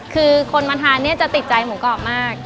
คือคนมาทานเนี่ยจะติดใจหมูกรอบมาก